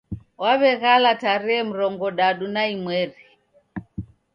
Wawegala tarehe murongodadu na imweri